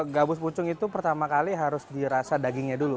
gabus pucung itu pertama kali harus dirasa dagingnya dulu